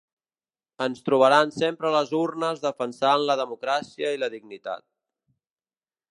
Ens trobaran sempre a les urnes defensant la democràcia i la dignitat.